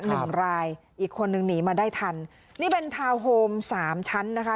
หนึ่งรายอีกคนนึงหนีมาได้ทันนี่เป็นทาวน์โฮมสามชั้นนะคะ